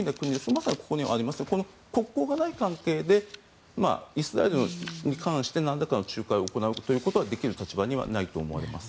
まさにここにありますが国交がない関係でイスラエルに関してなんらかの仲介を行う立場にはないと思います。